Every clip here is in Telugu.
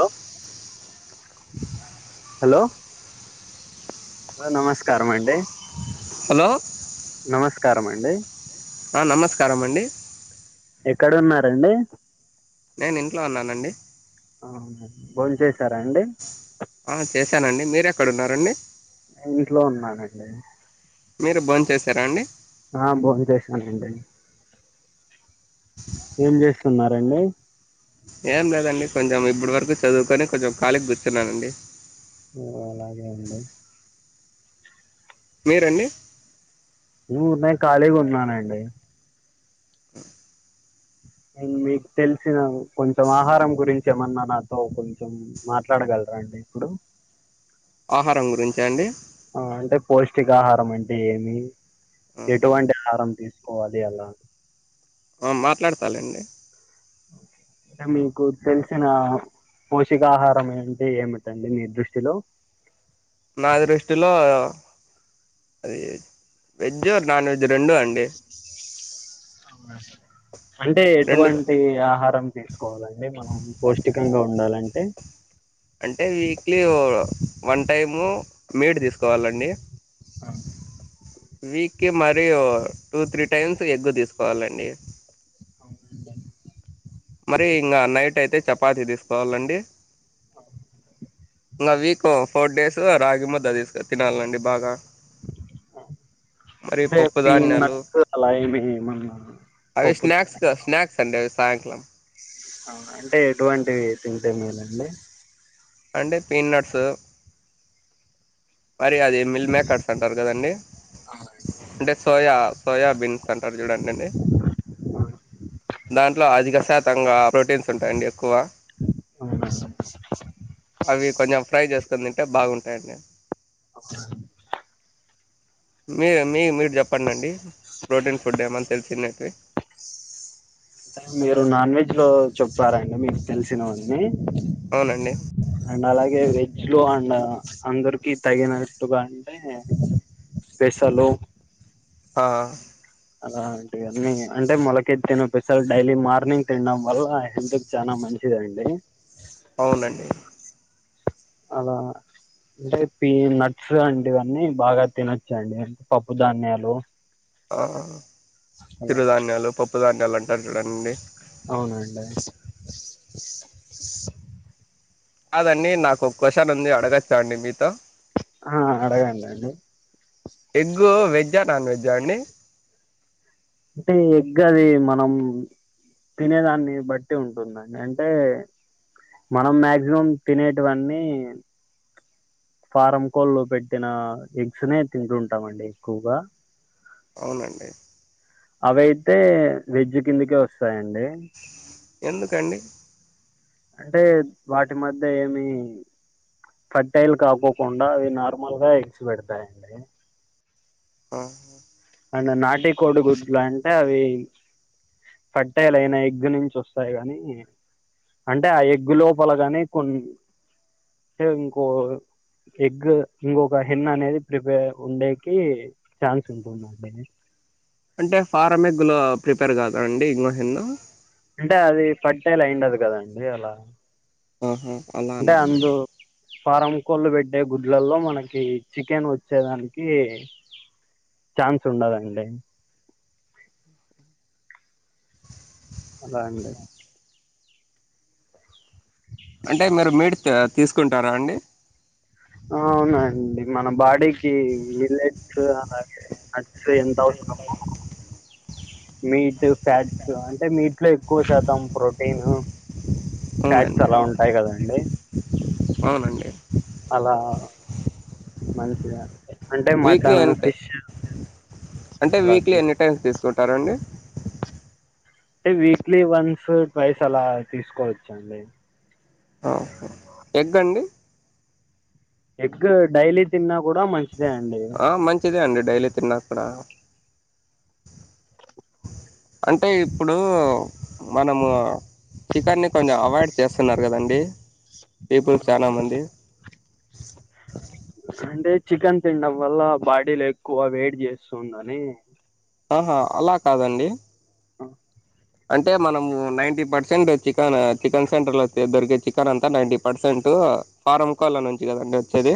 హలో హలో నమస్కారం అండి హలో నమస్కారం అండి ఆ నమస్కారం అండి ఎక్కడ ఉన్నారండి నేను ఇంట్లో ఉన్నానండి ఆహా బోంచేసారా అండి ఆ చేశానండి. మీరు ఎక్కడ ఉన్నారండి. ఇంట్లో ఉన్నానండి. మీరు బోంచేసారా అండి ఆ బోంచేసానండి. ఏం చేస్తున్నారండి. ఏం లేదండి. కొంచం ఇప్పుడు వరకు చదువుకొని కొంచెం ఖాళీకి కూర్చున్నానండి. ఓ అలాగే అండి మీరండి. [unintelligible] నేను కాళిగా ఉన్నానండి. నేను మీకు తెలిసిన కొంచం ఆహారం గురించి ఏమన్నా నాతో కొంచం మాట్లాడగలరా అండి. ఇప్పుడు ఆహారం గురించ అండి. ఆ అంటే పౌష్టికాహారం అంటే ఏమి ఆహా. ఎటువంటి ఆహారం తీసు ఓ అదే అలా మాట్లాడతాలేండి. అంటే మీకు తెలిసిన పోషకాహారం అంటే ఏమిటండి. మీ దృష్టిలో నా దృష్టిలో అది వెజ్ నాన్ వెజ్ రెండు అండి అంటే రెండు ఎటువంటి ఆహారం తీసుకోవాలండి. మనం పౌష్టికంగా ఉండాలంటె ఎ అంటే వీక్లీ వన్ టైము మీట్ తీసుకోవాలండి. ఆ వీక్లీ మరి ఓ టూ త్రీ టైమ్స్ ఎగ్గు తీసుకోవాలండి. అవునంట మరి ఇంగా నైట్ అయితే చపాతి తీసుకోవాలండి. ఆ ఇంకా వీక్ ఫోర్ డేస్ రాగి ముద్ద తీసుకొని తినాలండి. బాగా మరి అంటే పప్పు ధాన్యాలు పీనట్ అలా ఏమైనా పప్పు సండే సాయంకల్మ్ అంటే ఎటువంటివి తింటే మేలండి. అంటే పీనట్స్ మరి అది మిల్ మేకర్స్ అంటారు. కదండి అంటే సోయా సోయా బీన్స్ అంటారు. చూడండి అండి దాంట్లో అధిక శాతంగా ప్రోటీన్స్ ఉంటాయండి. ఎక్కువ అవునా అంటే అవి కొంచెం ఫ్రై చేస్ మొత్తం తింటే బాగుంటాయండి. అఫ మీ మీ మీర్ చెప్పండి అండి. ప్రోటీన్ ఫుడ్ ఏమన్నా తెలిసినట్వి మీరు నాన్ వెజ్ లో చెప్పారాండి. మీకు తెలిసినవన్ని అవునండి ఏ వెజ్ లో అండ్ అందరికి తగినట్టుగా అంటే స్పేషలు ఆ అలా అంటె అన్నీ అంటే మొలకెత్తిన పెసల్ డైలీ మార్నింగ్ తిన్డం వల్ల హెల్త్ కి చాలా మంచిదండి అవునండి అలా అంటే పీనట్స్ అంటివన్నీ బాగా తినొచ్చండి పప్పు ధాన్యాలు ఆ అలా చిరుధాన్యాలు పప్పు ధాన్యాలు అంటారు రండి అవునండి కాదండి నాకు ఒక్క కోషన్ ఉంది అడగచ్చా అండి మీతో ఆ అడగాండండి ఎగ్గు వెజ్జ్ వెజ్జా నాన్ వెజ్జ అండి అంటే ఎగ్ అది మనం తినేదాన్ని బట్టి ఉంటుందండి అంటే మనం మా్యాక్సిమం తినేటవన్నీ ఫారం కోల్ లో పెట్టిన ఎగ్స్నే తింటుంటామండి ఎక్కువగా అవునండి అవయితే వెజ్జ్ కిందకే వస్త్ వస్తాయండి ఎందుకండి అంటే వాటి మధ్య ఏమి ఫర్టైల్ కాకోకుండా అవి నార్మల్ గా ఎడిచి పెడతాయిండి ఆ అండ్ నాటికోడు గుడ్లు అంటే అవి పట్టలైన ఎగ్గు నుంచి వస్తాయి కానీ అంటే ఆ ఎగ్గు లోపలగానే కొన్ని ఇంకో ఎగ్గ్ ఇంకొక హేన్న్ అనేది ప్రిపేర్ ఉండేకి ఛాన్స్ ఉంటుందిం బ అంటే ఫారమే గు ప్రిపేర్ కాదాండి ఇంకో హెన్ అంటే అది పట్టేలా అయిండదు కదండి అలా ఆహ అలాన అంటే అందు ఫారం కోళ్ళు పెట్టే గుడ్లల్లో మనకి చికెన్ వచ్చేదానికి ఛాన్స్ ఉండదండి అలా అండి అంటే మీరు మీట్ తీసుకుంటారా అండి అవునండి మన బాడీకి ఇ ఎంతవసరం మె మీట్ ఫ్యాట్స్ అంటే మీ ఇంట్ లో ఎక్కువ శాతం ప్రోటీన్ ఫ్యాట్స్ అవునండి అలా ఉంటాయి కదండి అవునండి అలా మనషియ వీక్లీ ఎంట అంటే వీక్లీ ఎన్ని టైమ్స్ తీసుకుంటారంా. అండి అంటే వీక్లీ వన్స్ ఫోర్ ఫ్రెస్ అలా తీసుకోవచ్చా అండి ఆహా ఎగ్గ్ అండి ఎగ్గ్ డైలీ తిన్నా కూడా మంచిదే అండి ఆ మంచిదే అండి డైలీ తిన్నా కూడా అంటే ఇప్పుడు మనము చికెన్ని కొంచెం అవాయిడ్ చేస్తున్నారు కదండి పీపుల్ చాలా అవునండి మంది అంటే చికెన్ తినడం వల్ల బాడీలు ఎక్కువ వయిట్ చేస్తుందని ఆహా అలా కాదండి ఆ అంటే మనము ninety percent chicken chicken centre లో దొరికే చికెన్ అంతా నైన్టీ పర్సెంట్ ఫారం కోళ్ళ నుంచి కదండి వచ్చేది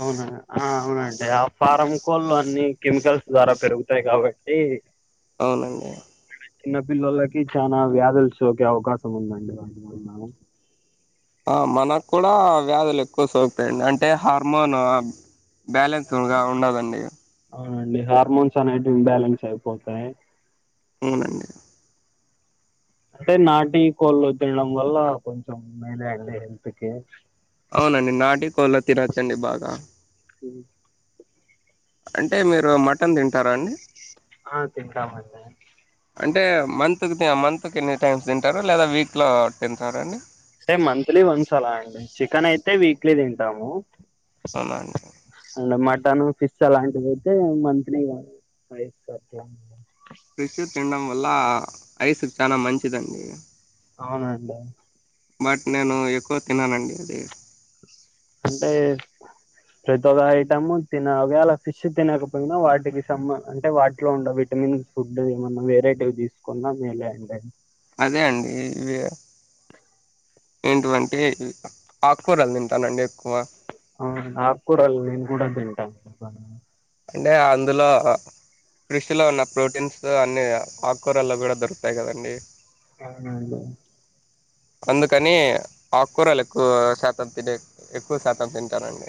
అవునా ఆ, అవునండి ఆ ఫారం కోళ్ళు అన్ని కెమికల్స్ ద్వారా పెరుగుతాయి కాబట్టి అవునండి చిన్న పిల్లలకి చానా వ్యాధులు సోకే అవకాశం ఉందండి వాటి వలన ఆ మనకు కూడా వ్యాధులు ఎక్కువ సోకుతయండి అంటే హార్మోన్ బ్యాలెన్స్డ్గా అవునండి. ఉండదండి అవునండి హార్మోన్స్ అనేటివి బ్యాలెన్స్ అయిపోతాయి ఊనండి అంటే నాటి కోళ్ళు తినడం వల్ల కొంచెం మేలే అండి హెల్త్ కి అవునండి నాటి కోళ్ళ తినొచ్చాండి బాగా ఉ అంటే మీరు మటన్ తింటారా అండి ఆ తింటామండి అంటే మంత్ మంత్కి ఎన్ని టైమ్స్ తింటారు లేదా వీక్లో తింటారండీ అంటే మంత్లీ వన్స్ అలా అండి చికెన్ అయితే వీక్లీ తింటాము అవునా అండి డ్ మటన్ ఫిష్ [unintelligible] పోతే మంత్లీ గా [unintelligible] ఫిష్ తినడం వల్ల అ ఐసు కి చాలా మంచిదండి అవునండి బట్ నేను ఎక్కువ తిననండి అది అంటే ప్రతి ఒక్క ఐటమ్ తినగే అలా ఫిష్ తినకపోయినా వాటికి సంబం అంటే వాటిలో ఉండే విటమిన్ ఫుడ్ ఏమన్నా వెరేటీవి తీసుకున్నా మేలే అండి అదే అండి ఇవి ఏంటివంటే ఆకుకూరలు తింటానండి ఎక్కువ ఆకుకూరలు నేను కూడా తింటాను అంటే అందులో ఫిష్ లో ఉన్న ప్రోటీన్స్ అన్ని ఆకుకూరల్లో కూడా దొరుకుతాయి కదండి అవునండి అందుకని ఆకూరలు ఎక్కువ శాతం తినే ఎక్కువ శాతం తింటానండి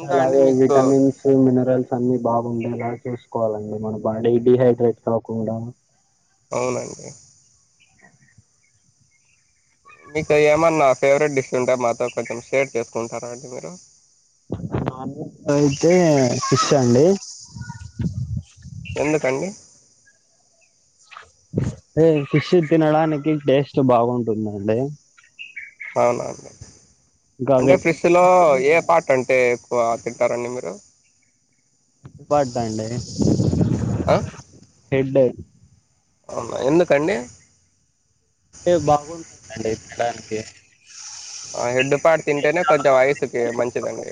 ఇంకా అండి అలాగే మీకు విటమిన్స్ మినరల్స్ అన్ని బాగుండే లా చూస్ వాలండి మన బాడీ డిహైడ్రేట్ కాకుండా అవునండి మీకు ఏమన్నా ఫేవరెట్ డిష్ ఉంటే మాతో కొంచెం షేర్ చేసుకుంటారా అండి మీరు ఆమకైతే ఫిష్ అండి ఎందుకండి ఏ ఫిష్ తినడానికి టేస్ట్ బాగుంటుందండి అవునవును ఇంకా అంటే వెజ్ ఫిష్ లో ఏ పార్ట్ అంటే క్కువ తింటారండి మీరు పాడుతా అండి ఆ హెడ్ అవునా ఎందుకండి టే బాగుంటదండి తినడానికి అ హెన్డ్డుపాటు తింటేనే కొంచెం వయసుకి మంచిదండి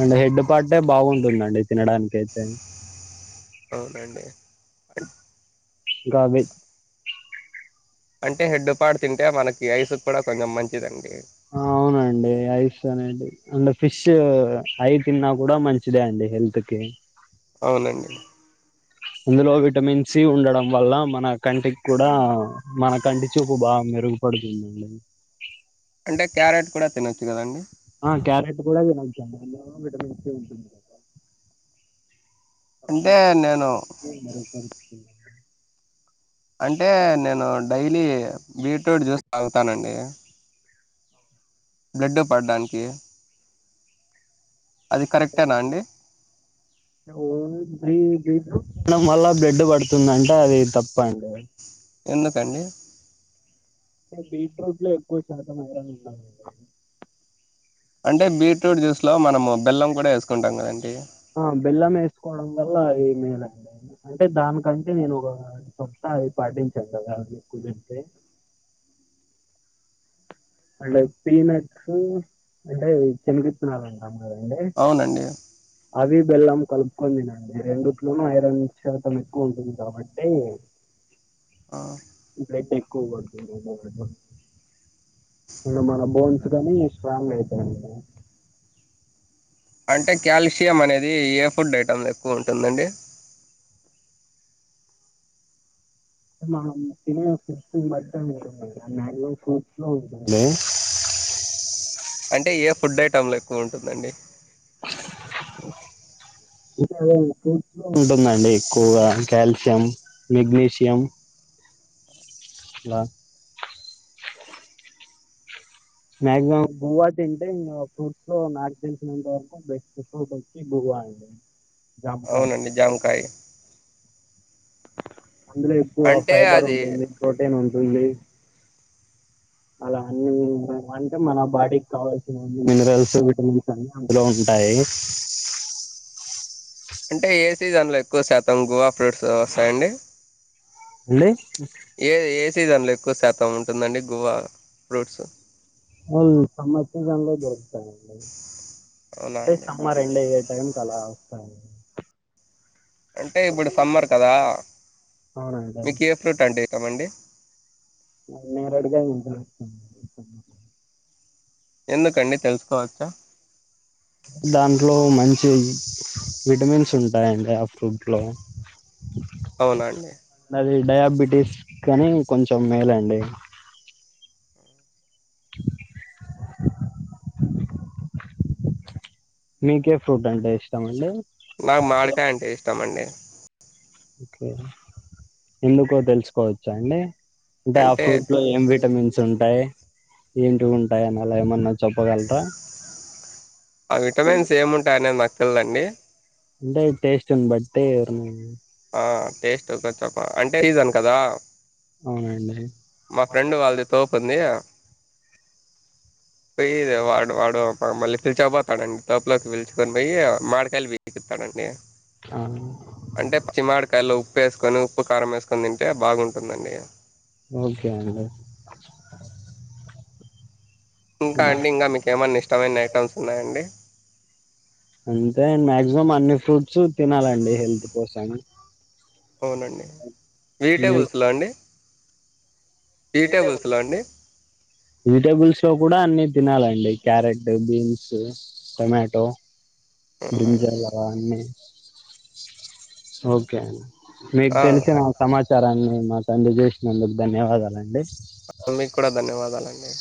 అంటే హెడ్ పార్టే బాగుంటుందండి తినడనికైతే అవునండి అం- కాబ అంటే హెడ్డుపాడు తింటే మనకి ఐసు కూడా కొంచెం మంచిదండి ఆ అవునండి ఐస్ అనేది అంటే ఫిష్ ఫీష్ అయి తిన్నా కూడా మంచిదే అండి హెల్త్ కి అవునండి ఇందులో విటమిన్ సి ఉండడం వల్ల మన కంటికి కూడా మన కంటి చూపు బాగు మెరుగుపడుతుందండి అంటే క్యారెట్ కూడా తినొచ్చు కదండి ఆ క్యారెట్ కూడా తినొచుండి విటమిన్ సి ఉంటుంది అలా అంటే మన నేను కంటికి మెరుగుపడుతుంది అంటే నేను డైలీ బీట్రూట్ జ్యూస్ తాగుతానండి బ్లడ్ పడడానికి అది కరెక్టేనా అండి డం వల్ల బ్లడ్ పడుతుందంటే అది తప్ప అండి ఎందుకండి బీట్రూట్ లో ఎక్కువ శాత మరంగా ఉ అంటే బీట్రూట్ జ్యూస్ లో మనము బెల్లం కూడా వేసుకుంటాం కదండి ఆ బెల్లం వేసుకోవడం వల్ల ఏ [unintelligible] అంటే దానికంటే నేను ఒక చొస్తా అవి పాటించాను కదా మీకు తే అంటే పీనట్స్ అంటే శలిగత్తినాలంటమ్మా అవునండి అదండి బెల్లం కలుపుకుందినండి రెండుట్లోనూ ఐరన్ శాతం ఎక్కువ ఉంటుంది కాబట్టి ఆ. [unintelligible] [inaudible] మ మన బోన్స్ కానీ స్ట్రాంగ్ అవుతాయి అంట అంటే కా్యాల్షియం అనేది ఏ ఫుడ్ ఐటెం ఎక్కువ ఉంటుందండి మనం తినే ఫుడ్ బట్టే ఉంటుంది అండి మాక్సిమం ఫ్రూట్స్ లో ఉంటుంది అంటే ఏ ఫుడ్ ఐటెంలు ఎక్కువ ఉంటుందండి ఇ ఫట్స్ లో ఉంటుందండి ఎక్కుగా కాల్ష్యయం మెగ్నీషియమ్ ల మాక్సిమం గుోవా తింటే ఇం ఫ్రూట్స్ లో నాకు తెలిసినంత వరకు బెస్ట్ ఫ్రూట్ వచ్చి గువా అండి జామకాయ అవునండి జామకాయి అందులో ఎక్కువ ఫైబర్ అది ఉంటుంది ప్రోటీన్ ఉ ఉలి అలా హన్న అంటే మన బాడీకి కావాల్సిన మినరల్స్ విటమిన్స్ అన్ని అందులో ఉంటాయి అంటే ఏ సీజన్లో ఎక్కువ శాతం గువా ఫ్రూట్స్ వస్తాయండి ఏందీ ఏ ఏ సీజన్లో ఎక్కువ శాతం ఉంటుందండి గువా ఫ్రూట్స్ సమ్మర్ సీజన్లో దొరుకుతాయండి అవునా అంటే అండి సమ్మర్ ఎండ్ అయ్యే టైం కి అలా స అంటే ఇప్పుడు సమ్మర్ కదా అవునండి మీకు ఏ ఫ్రూట్ అంటే ఇస్ ష్టమండి నేరాడ కాయలు అంటే ఇష్టం అండి సమ్మర్లో ఎందుకండి తెలుసుకోవచ్చా దాంట్లో మంచి విటమిన్స్ ఉంటాయండి ఆ ఫ్రూట్ లో అవున అండి అది డయాబెటీస్ కానీ కొంచెం మేలండి మీకే ఫ్రూట్ అంటే ఇష్టం అండి నాకు మాడికాయ్ ఇష్ ష్టమండి ఓకే ఎందుకో తెలుసుకోవచ్చా అండి అంటే ఆ ఫ్రూట్ లో ఏం విటమిన్ ఉంటాయ్ ఏంటి ఉంటాయ్ అని అలా ఏమన్నా చెప్పగలరా ఆ విటమిన్స్ ఏముంటాయనే నాక్ తెల్దండి అంటే టేస్ట్ని బట్టి [unintelligible] ఆ టేస్ట్ ఒక చప్ప అంటే సీజన్ కదా అవునా అండి మా ఫ్రెండ్ వాళ్ళది తోపుంది పోయి వాడు వాడు మళ్ళీ పిలిచకపోతాడండి తోపలోకి పిలుచుకొని పోయి మాడికాయలు పీకితాడండి ఆ అంటే పచ్చి మాడికాయలు ఉప్పు ఏసుకొని ఉప్పు కారం ఏసుకని తింటే బాగుంటుందండి ఓకే అండి ఇంకా అండి ఇంగా మీకేమన్నా ఇష్ ఇష్టమైన ఐటమ్స్ ఉన్నాయండి అంతే మాక్సిమం అన్ని ఫ్రూట్ ట్స్ తినాలండి హెల్త్ కోసం అవునండి వెజిటేబుల్స్లో అండి వెజిటేబుల్స్లో అండి విజిటబుల్స్లో కూడా అన్ని తినాలండి క్యారెట్ బీన్స్. టొమాటో. అవునా అండి బ్రింజాల్ అవి అన్నీ. ఓకే అండి. మీకు తెలిసిన. సమాచారాన్ని మాకు, స్పెండ్ చేసినందుకు. ధన్యవాదాలండి, మీకు కూడా. ధన్యవాదాలండి,